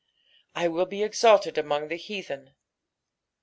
" I willbe exalted among the htathen."